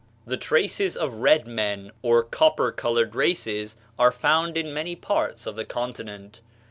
The traces of red men or copper colored races are found in many parts of the continent.